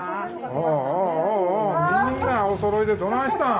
おおおおおみんなおそろいでどないしたん。